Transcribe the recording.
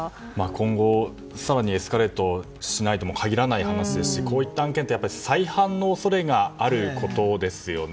今後、更にエスカレートしないとも限らない話ですしこういった案件って再犯の恐れがあることですよね。